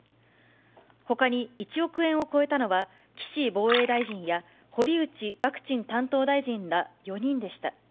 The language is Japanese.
ほかに１億円を超えたのは、岸防衛大臣や堀内ワクチン担当大臣ら４人でした。